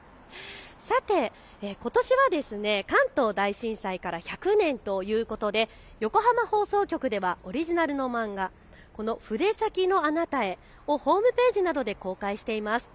さて、ことしは関東大震災から１００年ということで横浜放送局ではオリジナルの漫画、筆先のあなたへをホームページなどで公開しています。